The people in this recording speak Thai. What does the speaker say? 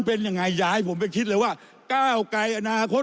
ผมไม่อยากหารชบสปีดมาเขาเก่งครับผม